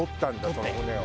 その骨を。